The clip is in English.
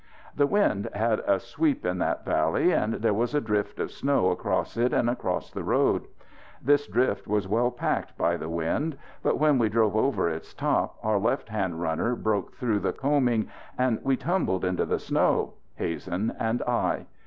The wind had a sweep in that valley and there was a drift of snow across it and across the road. This drift was well packed by the wind, but when we drove over its top our left hand runner broke through the coaming and we tumbled into the snow, Hazen and I.